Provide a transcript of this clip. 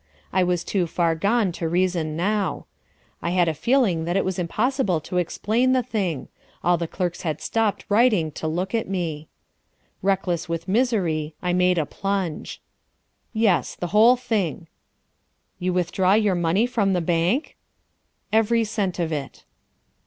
I was too far gone to reason now. I had a feeling that it was impossible to explain the thing. All the clerks had stopped writing to look at me. Reckless with misery, I made a plunge. "Yes, the whole thing." "You withdraw your money from the bank?" "Every cent of it."